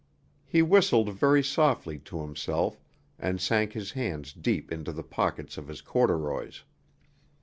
He whistled very softly to himself and sank his hands deep into the pockets of his corduroys.